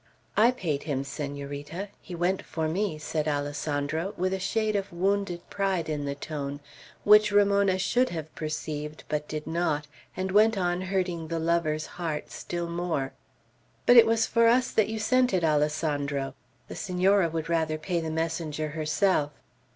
"I paid him, Senorita; he went for me," said Alessandro, with a shade of wounded pride in the tone, which Ramona should have perceived, but did not, and went on hurting the lover's heart still more. "But it was for us that you sent for it, Alessandro; the Senora would rather pay the messenger herself."